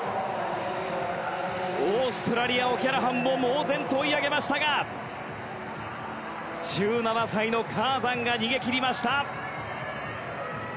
オーストラリア、オキャラハンも猛然と追い上げましたが１７歳のカーザンが逃げ切りました。